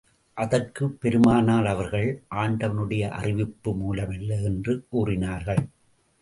அதற்குப் பெருமானார் அவர்கள், ஆண்டவனுடைய அறிவிப்பு மூலமல்ல, என்று கூறினார்கள்.